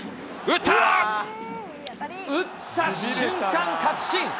打った瞬間、確信。